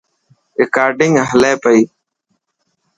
رڪارڊنگ هلي پئي.